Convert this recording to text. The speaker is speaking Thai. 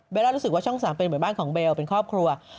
เบล่ารู้สึกว่าช่องสามเป็นหมอนบ้านของเป็นครอบครัว